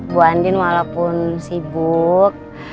bu andien walaupun sibuk